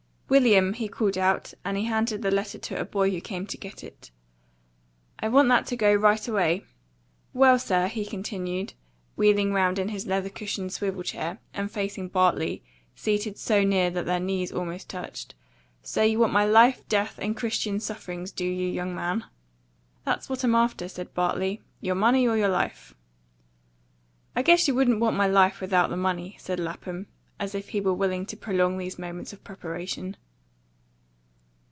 "William!" he called out, and he handed the letter to a boy who came to get it. "I want that to go right away. Well, sir," he continued, wheeling round in his leather cushioned swivel chair, and facing Bartley, seated so near that their knees almost touched, "so you want my life, death, and Christian sufferings, do you, young man?" "That's what I'm after," said Bartley. "Your money or your life." "I guess you wouldn't want my life without the money," said Lapham, as if he were willing to prolong these moments of preparation.